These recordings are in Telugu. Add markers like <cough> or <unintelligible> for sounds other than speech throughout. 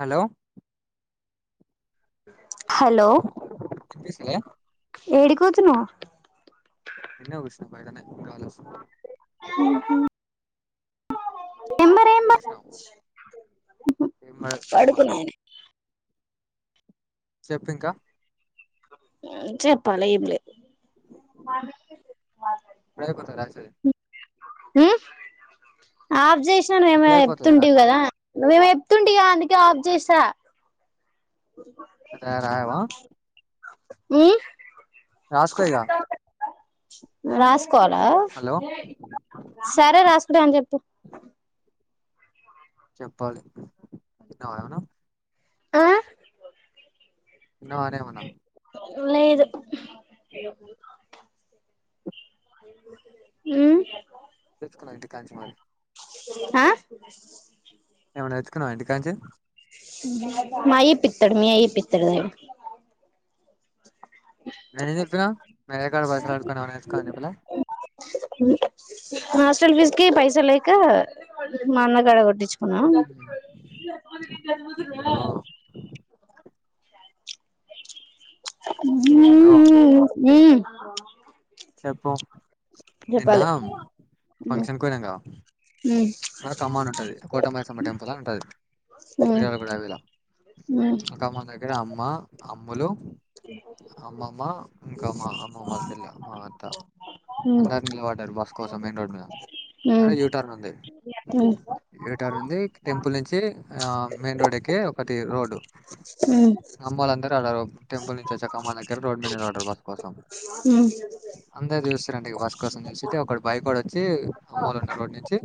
హలో హలో ఇనిపిస్తాదా ఏడికి పోతున్నావ్ ఇడ్నే కుసున్న బయటనే గాలి వసంది మ్మ్ఉమ్మ్ ఏం చేసున్నావ్ ఏం పడద్ నేమ్ వస చెప్పు ఇంకా చెప్పాలా ఏంలే ఎప్పుడైపోతది రాసేది ఉమ్మ్ ఆఫ్ చేసిన నువ్వేమో ఇప్పుడే అయిపోతదా ఎప్తుంటివి రాసేది కదా నువ్వేమో ఎప్తుంటివిగా అందుకే ఆఫ్ చేసా అదా రాయవా ఉమ్మ్ రాసుకో ఇగ రాసుకోవాలా హలో సరే రాసుకుంటా అని చెప్పు చెప్పాలి తిన్నావా నువ్ ఆ తిన్నావానే ఏమన్నా లేదు ఉమ్మ్ తెచ్చుకున్న ఇంటికా నుంచి మరి ఆ ఏమన్నా తెచ్చుకున్నావా ఇంటికనుంచి మా అయ్య ఇప్పిత్తడు మీ అయ్యా ఇప్పిత్తడా నేనేం చెప్పినా మీ అయ్య కాడ పైసలు అడుక్కొని ఏమన్నా తెచ్చుకో అని చెప్పలే హాస్టల్ ఫీజ్‌కి పైసా లేక మా అన్న కాడ కొట్టిచు కున్న అయ్యో హ హ హలో ఉమ్ ఉమ్మ్ చెప్పు నిన్న చెప్పాలి ఉమ్ ఫంక్షన్‌కి పోయినంగా ఉమ్ ఆడ కమ్మను ఉంటది కోట మైసమ్మ టెంపుల్ అని ఉంటాది ఉమ్ మిర్యాలగూడ అవిలా ఉమ్ ఆ కమ్మాన్ ద గ్గర అమ్మ అమ్ములు అమ్మమ్మ ఇంకా మా అమ్మమ్మల్ల చెల్లే మా అత్త ఉమ్ అందరూ నిలబడ్డారు బస్ కోసం మెయిన్ రోడ్ మీద అడే ఉమ్ యూటర్న్ ఉంది యూటర్న్ ఉంది టెంపుల్ నుంచి ఆ మెయిన్ రోడ్ ఎక్కి ఒకటి రోడ్ అమ్మలు అందరూ అడ టెంపుల్ నుంచి వచ్చే కమ్మన్ దగ్గర రోడ్ మీద నిలబడ్డారు బస్ కోసం ఉమ్మ్ అందరు చూస్తారంట ఇగ బస్ కోసం చూసి ఒకడు బైకోడు వచ్చి అమ్మోలు ఉన్న రోడ్ నుంచి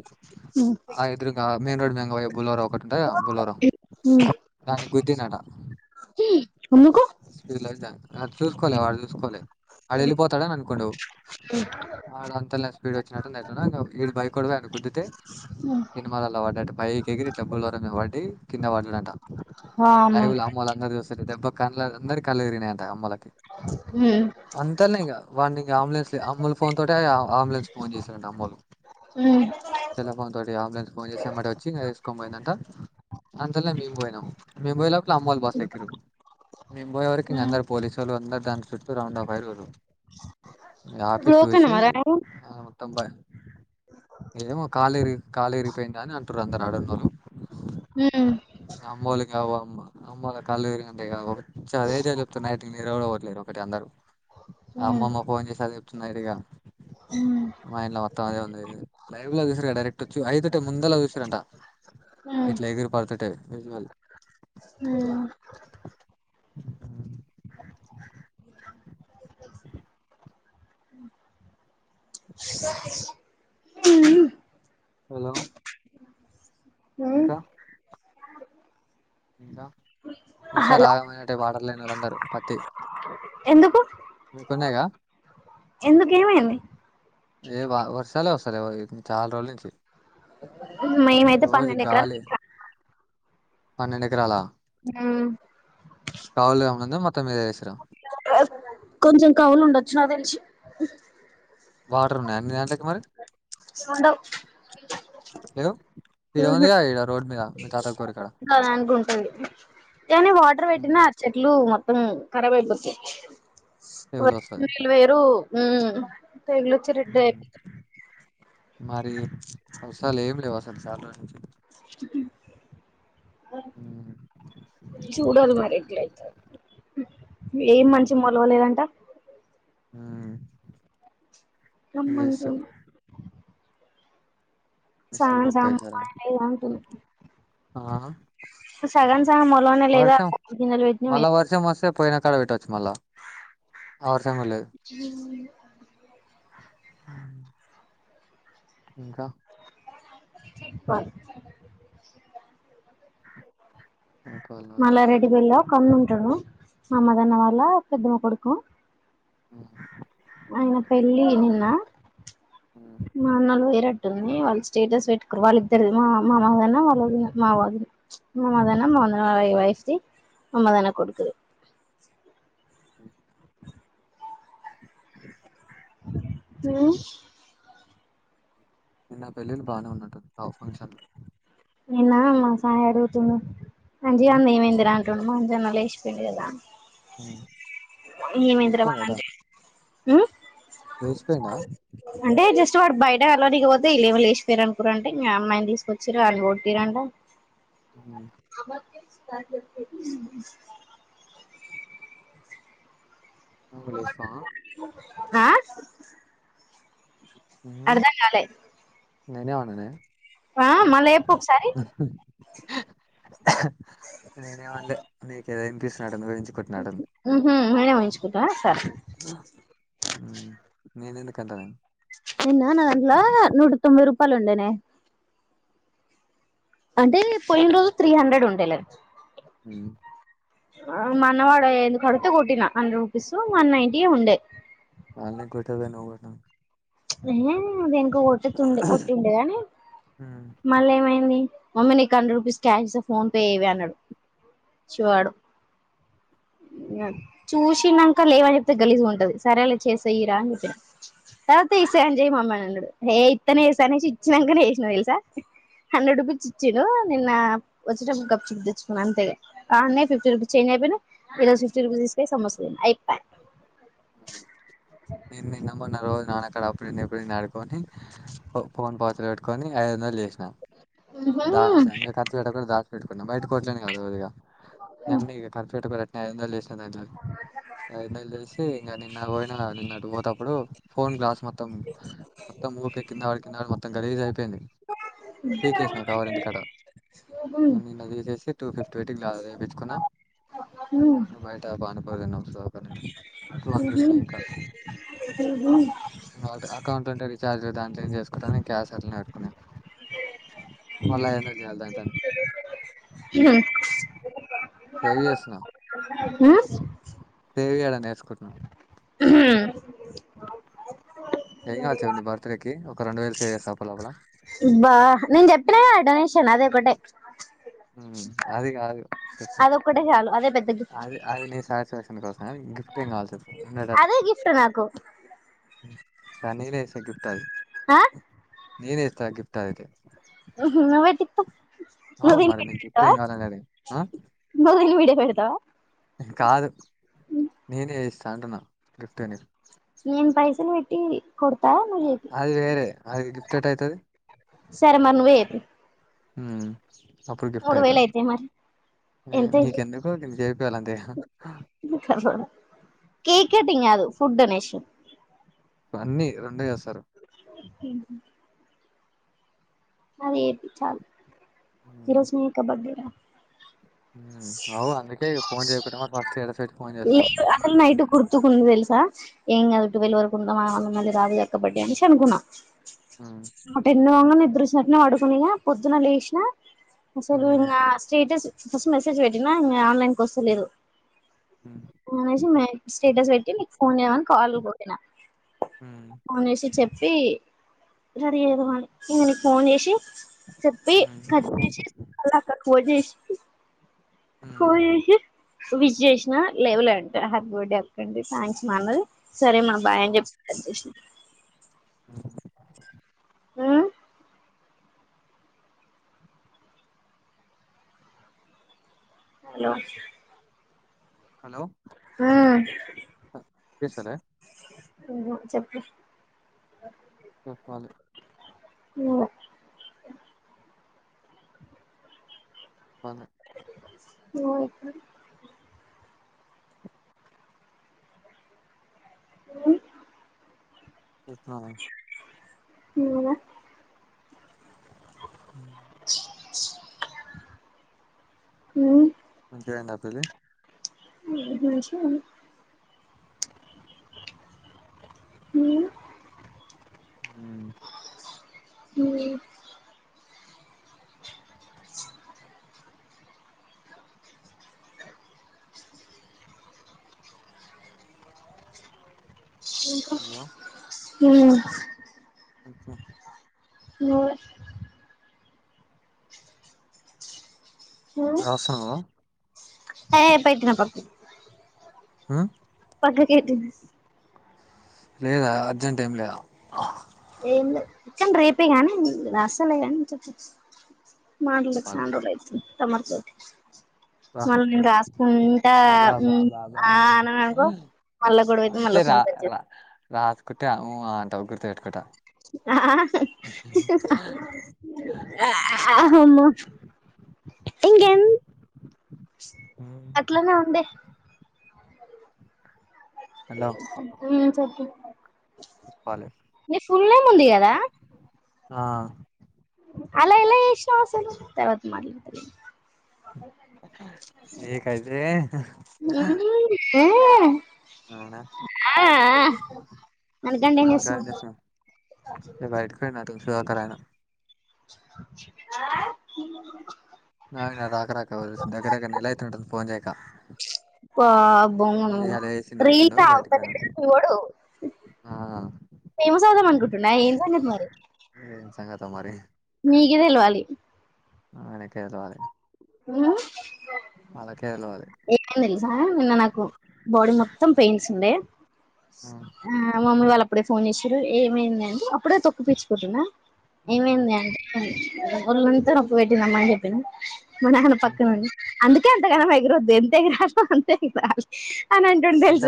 ఆ ఎదురుంగా మెయిన్ రోడ్ మీదంగా పోయే బులొరో ఒకటి ఉంటదిగా బులొరో దానికి గుద్దిందట హ్ స్పీడ్ లాకజ అ చూసుకోలే వాడు చూసుకోలే అడు వెళ్ళిపోతాడు అని అనుకుండు ఆడ అంతా లా స్పీడ్ వచ్చినట్ ఈడు బైక్ కొడు పోయి వాణి గుద్దుతే సినిమాలలా పడ్డటు పైకి ఎగిరి ఇట్ల బొలోరా మీద పడి కింద పడంట వామ్మో లైవ్ ల అమ్మలు అందరూ చూస్తుంటే దెబ్బ కన్ల అందరి కలు తిరిగినాయంటా అమ్మలకి హ్మ్మ్ వాడి ఇంకా అంబులెన్స్ అమ్మలు ఫోన్ తోటి అంబులెన్స్ ఫోన్ చేశారంట అమోల్లు ఉమ్ సల్ల ఫోన్తోటి ఆంబులెన్స్ ఫోన్ చేసి అమ్మాట వచ్చి వేసుకని పోయిందంటా అంతల్లే మేము పోయినాం మేము పోయేలోపు అమ్మళ్లు బస్ ఎకిరు మీంబోయో వరకు అందరూ పోలీసోలు అందరు దాని చుట్టూ రౌండ్ ఆఫ్ ఫైర్లు ఇంగ ఆపి ఇప్పుడు ఓకేనా చూసి మరి ఆ తొంభై ఏమో కాలుక ఇరిగికాలేరి కాలు విరిగిపోయిందని అంటున్నారు ఆడ ఉన్నోళ్లు ఉమ్ అమ్మళ కావ అమ్మా అమ్మలా కళ్ళు తిరిగి ఉంటే ఘన కావ వచ్చు అదే చెప్పు నైట్ కి నిద్ర కూడా పట్టలేదు ఒకటి అందరు ఆ ఉమ్ అమ్మమ్మ ఫోన్ చేసి అదే చెప్తున్నాయి నేరుగా మైండ్లో మొత్తం అదే ఉంది లైవ్ లో చూసిరుగా డైరెక్ట్ వచ్చ ఐదుటే ముందలా చూసిరంట ఇట్లా ఎగిరి పడితే <unintelligible> <inaudible> <inaudible> హలో ఆ ఇంకా ఇంకా ఈసారీ హలో ఆగమైనట్లే వాటర్ లేనోళ్లు అందరూ పత్తి ఎందుకు మీ కుంనాయిగా ఎందుకు ఏమైంది లేవా వర్షాలే వస్తాలే చాల రోజుల నుంచి మేమైతే రోజు పన్నెండు ఎకరాలు గాలి పన్నెండు ఎకరాల ఆ కౌలు ఏమన్నా ఉందాకా మొత్తం మీదే వేసారు <unintelligible> కొంచెం కవులు ఉండొచ్చు నాకు తెలిసి వాటర్ ఉన్నాయి అన్ని దాంట్లోకి మరి సడం లే ఇడ ఉందిద ఇక్కడ రోడ్ మీద మి తాత గోరి కాడ ఏమన్నా వాటర్ పెట్టినా ఆ చెట్లు మొత్తం ఖరాబ్ అయిపోతాయి లెవెల్ వస్తది పిల్ల వేరు పేగులు వచ్చి నట్టే మరి వర్షాలు ఏమి లేవు అసలు చాలా రోజుల నుంచి సెట్టింగ్ <unintelligible> ఆ చూడాలి మరి ఎట్లయితే ఏం మంచి మొలవలేదంట ఆ రమ్మంటూ విసులు బొక్క వేసారంట <unintelligible> ఆ సగం సగం మొలనే లేదా గిన్నెలు పెటినా వే మ మ పోయినా కాడ విట్ట వచ్చు మళ్ళా ఆర్షము లేదు మ్ ఆ ఇంకా బ అకల్ మళ్ళా రెడి కెల్లా ఒకన్నుంటాడు మామ్మదన్న వాళ్ళ పెద్దమ్మ కొడుకు ఆ ఇంక పెళ్లి నిన్న ఆ మా అన్నలు వేరట్టుని వాళ్ళు స్టేటస్ పెట్టుకురు వాళ్ళు ఇద్దరు మా అమ్మ మాధన్న వాళ్ళ వదిన మా వధిని మమ్మదన మ వయసుది మమ్మదాన కొడుకుది ఆ మ్ నా పెళ్ళిళ్ళ బానే ఉందంట ఆ ఒక ఫంక్షన్ నిన్నా మా సాయి అడుగుతుండు అంజి అవును అన్న ఏమైందిరా అంటుండు మా అంజి అన్న లేచిపోయిండు కదరా అ మ్ ఏమైందోరావాణ్ణంటె ఊసిపోయిందా అంటే జస్ట్ వాడు బయట వెళ్ళనీకిపోతే ఇళ్ళెవొలేచిపోయారునుకురంట ఈ అమ్మాయిని తీసుకొచ్చిర్రు వాణ్ణి కొట్టీరంట మ్ అ త నువ్వు లేస్తావా ఆ ఉహు. అర్థం కాలే నేనేమన్నానే ఆ మళ్ళా ఎప్పు ఒకసారి నేనే మన్లె నీకే ఏంది సడన్ న కించ మ్ హుమ్మ్ నేనే వాయించుకుంటా సరె హా మ్ నేనెందుకంటానె నిన్న నాదాంట్లొ నూట తొంభై రూపాయలు ఉండేనే అంటే పోయిన రోజు త్రీ హండ్రెడ్ ఉండేలే మ్ మనవాడ ఎందుకు కడితే కొట్టిన హండ్రెడ్ రూపీస్ వన్ నైంటీ యె ఉండే వాలనె కొడతవు గ నువు మ్ దేనికొ కొట్టితుండె కొట్టిండే ఆని హ్మ్. మళ్ళీ ఏమైంది మమ్మీ నీకు hundred rupees cash PhonePe ఎయ్యవే అన్నాడు పిచ్చి వాడు చూసినాంక లేవని చెప్తే గలిజ్ గా ఉంటది సరేలె చేసేయరా అని చెప్పి నా తీసిఆన్ జెయ్ మమ్మి అని అన్నడు హేయి ఇత్తనే ఈసారి నుంచి ఇచ్చినాంకనే ఏసిన తెలుసా హండ్రెడ్ రూపీస్ ఇచ్చిండు నిన్న వచ్చిటపుడు గప్ చక్ తెచ్చుకున అంతే ఆ అన్నయ ఫిఫ్టీ రూపీస్ చేంజ్ అయిపోయినయ్ రివర్స్ ఫిఫ్టీ రూపీస్ ఇ‌స్తె సమోసా తిన్న అయిపాయె నేను నిన్న మొన్న రోజు నాన్న కాడ అప్పుడని ఇప్పుడని ఆడుకోని ఫోన్ పాత్రలు పెట్టుకని ఐదు వందలు చేసినా. దాస్ం ఖర్చు పెట్టటుక కూడా దాస్ పెట్టుకుంటన్నాం బయట కొట్లేని గగా నంీ ఖర్చు పెటుకు <unintelligible> ఏందో లేచిన <unintelligible> వదు నెలు చేసి ఇంకా నిన్న పోయిన నిన్న పోతప్పుడు ఫోన్ గ్లాస్ మొత్తం. మొత్తం ఊకె కిందవాడు కిన్నాడు మొం గలీజ్ అయిపోయింది. నా కావారెంటంటి కదా నిన్న తీసేసి టూ ఫిఫ్టీ పెయిటింగ్ రేయించుకున్నాను. ఉ. బయట పానిపూరితన్న సో ఒక్క నిమిషం <unintelligible> ఇంకా వా అకౌంట్ ఉంటే రీచార్జ్ దాట్లో ఏ చేసుకోడాని క్యాష్ అట్లనే పెట్టుకున్నాయి. అ మళ్ళ ఏంద జాలదంట. సేవ్ చేస్తున్నా ఆస్. సేవ్ చేయాలని వేసుకున్నాం. హ ఏం ఏం కావాలో చెప్పు నీ బర్తడే కి ఒక రెండు వేలు సేవ్ చేస్తా అప్పు లోపల. అబ్బా నేను చెప్పినాగా డొనేషన్ అదే ఒకటే. అది కాదు చెప్పు అదొక్కటే చాలు అదే పెద్ద గిఫ్ట్ అది అది నీ సాటిస్ఫాక్షన్స్తా. గిఫ్ట్ ఏం కావాల్స రండ. అదే గిఫ్ట్ నాకు రన్నింగ్ రైస్ గిఫ్ట్ అది. ఆ. నేనే ఇస్తా గిఫ్ట్ అయితే. ఊహు నువ్వు ఎట్టిత్తావ్. నీ అవు విడ మరి నీకు గిఫ్ట్ ఏం పెడుతవా కావాలని అడిగి ఆ నదీలు విడ పెడతవా. కాదు నేనే ఇస్తా అంటున్నా గిఫ్ట్ అని. నేను పైసలు పెట్టి. కొడతా నువ్వు చేపి అది వేరే అది గిఫ్ట్ ఎట్ అయితుది. సరే మరి నువ్వే ఎ. ఉ అప్పుడు గిఫ్ట్ మూడు వేలు అవుతది. అయితాయి మరి అ ఎంత నీకెందుకు నీకు చేపియ్యలంతేగా. కేక్ కటింగ్ కాదు ఫుడ్ డొనేషన్. స ఫన్ని రెండో చేస్తారు. హ. అరే ఏది చాలు ఈ ఉమ్, రోజు మీ కబడ్డీ రా. అవు అందుకే ఫోన్ చేయకుంటడా మరి ఫస్ట్ ఏడ సట్ ఫోన్ చేస్తాం. లేదు నైట్ కుర్తుకుందిద తెలుసా. ఏం కాదు టువెల్ వరకు ఉందా మాంద మళ్ళీ రాదు ఎక్కబడ్డ అని టెన్షన్ కున్నా. ఉమ్, అటు ఎన్ని వంగ నిద్రసినట్ వాడుకునిక పొద్దున లేసిన. అసలు ఉమ్, ఇంకా స్టేటస్ ఫస్ట్ మెసేజ్ వెట్టినా ఇంకా ఆన్లైన్ కోస్తలేదు. ఆ. అనేసి స్టేటస్ పెట్టి మీకు ఫోన్ చేయమని కాల్ కొట్టినా. ఉమ్, ఫోన్ చేసి చెప్పి రెడీ అయికోవి ఇ దనికి ఫోన్ చేసి. చెప్పి ఉమ్, కదిసి అ అక్క చేసి. ఉమ్, కోయీహే. విష్ చేసిన లెవలే అంటే హ్యాపీ బర్త్డే అండి థ్యాంక్స్ మా అన్నది సరే మా బాయ్ ఆ, అని చెప్. అేష్ ఉమ్. హ్మ్ హలో హలో మ్ పిసెలె నువ్వు చెప్పు చెప్పాలి నువ్వు పదే నువ్వే మ్ ఎళ్తన్నావ నేన మ్ మంచిగయింద పెళ్ళి మంచిగయింది. మ్ మ్ మ్మ్ మ్ హలో హ్మ్ <inaudible> నువ్వే మ్ రాస్తున్నావా ఏ పెట్టిన పప్పు అ పక్కకేట్టు లేదా అర్జెంట్ ఏం లేదా ఏం లే చన్ రేపే గానీ రాస్తాలే కాని చెప్పు మాట్లడక చెప్పాలి సెన్ రోలు అయిపోయింది తమరి తోటి రా మళ్ళీ నేను రాసుకుంట ఉన్ అబాబాబాబా ఆ నాగో మళ్ళ గొడవైతే మళ్ళ ఫోన్ కట్ జె రాస్కుంటే ఉ ఆ అంత గుర్తు ఎట్టుకుంటా ఆ హమ్మ ఇంకేం అట్లనే ఉండి హలో మ్ చెప్పు చెప్పాలి నీ ఫుల్ నేమ్ ఉంది కదా ఆ అలా ఇలా ఏసినావ్ అస్సలు తర్వాత మాట్లాడతలే నీకదే హ్మ్మ్ ఆ ననుగండేం ఇంకా ఏం చేసిన్నవ్ చేస్తున్నావ్ అ బయటకు పోయినాతో సుధాకర్ ఆయన ఆ నాయిన రాక రాక దగర దగర్ నెలైయితుంటది ఫోన్ చేయక ఇయ్యాల చేసిండు వచ్చిండు రీల్స్ బయటకు పోయినం ఆగుతలేడుగా మీ వోడు ఆ ఫేమస్ అవుదాం అనుకుంటుండ ఏం సంగతి మరి ఏం సంగతొ మరి మీకె తెలివాలి ఆయన కె తెలివాలె మ్ వాళ్లకే తెలివాలి ఏమైంది తెలుసా నిన్న నాకు బాడీ మొత్తం పెయిన్స్ ఉండే ఆ మమ్మీ వాళ్ళు అప్పుడే ఫోన్ చేసిరు ఏమైందంటె అప్పుడే తొక్కు పిచ్చుకుంటున్నా ఏమైంది అంటే ఊళ్ళంతా నొప్పు పెట్టిందమ్మ అని చెప్పిన మా నాన్న పక్కనుండి అందుకే అంతగనం ఎగరొద్దు ఎంత ఎగరాలొ అంతే ఎగరాలి అనం ఎంత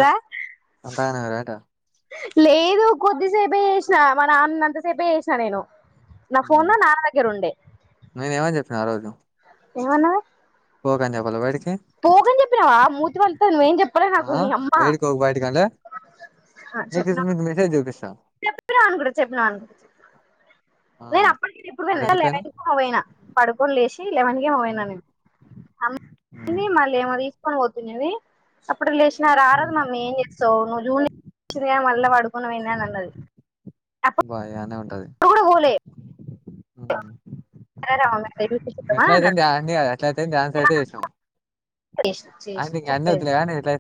అంతగనం ఎగరు ఏటా లేదు కొద్దిసేపే చేసిన మా నాన్న ఉన్నంతసేపే చేసిన నేను నా ఫోన్ లో నాన్న దగ్గర ఉండే నేనేమని చెప్పిన ఆ రోజు ఏమన్నది పోకని చెప్పాలా బయడికి పోకని చెప్పినావా మూతి వళగతది నువ్వేం చెప్పాలె ఆ నాకు నీ అమ్మ ఏడికి ఆ చెప్ నికు నీకు మెసేజ్ చూపిస్తా చెప్పినా అనుకుడ చెప్పినా ఆ నేను అప్పటికే ఎప్పుడు మరి పోయిన లెవెన్ కి ఎందుకైనావ్ ఏమో పోయిన పడుకోని లేసి లెవెన్ కి ఏమో ఆ పోయిన నేను అ హ్మ్ మళ్ళీ ఏమో తీసుకొని పోతుంనది అప్పుడు లేచినా ర రాదు హ్మ్ మమ్మీ ఏం చేస్తావు నువ్వు జూనియర్ మళ్ళా పడుకునవు ఏంది అని అన్నది బాయనే ఉంటది కూడ పోలే వెంటనే రా ఉన్న శైలు ఎట్ల అయితే ఏంది ధ్యాన్న్ని ఎట్లయితే ఏంది డాన్స్ అయితే చేసినవ్ చేస్ అది ఇంగ అన్ని వద్దు లే ఎట్ల